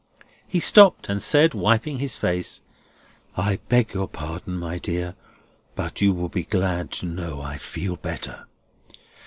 He stopped and said, wiping his face: "I beg your pardon, my dear, but you will be glad to know I feel better.